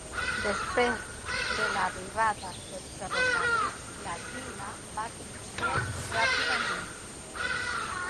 Després de l'arribada del ferrocarril la vila va créixer ràpidament.